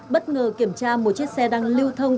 bất ngờ kiểm tra một chiếc xe đang lưu thông